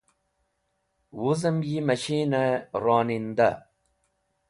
Wuzem yi mashine Ronindah